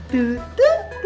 tuh tuh tuh